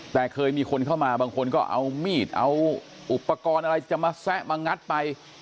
แต่เคยมีคนเข้ามาบางคนก็เอามีดเอาอุปกรณ์อะไรจะมาแซะมางัดไป